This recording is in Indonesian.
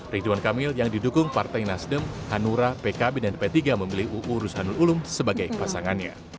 ridwan kamil yang didukung partai nasdem hanura pkb dan p tiga memilih uu rusanul ulum sebagai pasangannya